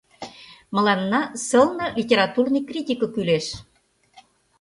Мыланна сылне литературный критика кӱлеш!